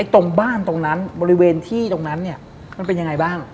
ตรงบ้านตรงนั้นบริเวณที่ตรงนั้นเนี่ยมันเป็นยังไงบ้าง